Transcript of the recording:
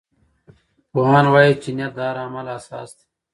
پوهان وایي چې نیت د هر عمل اساس دی.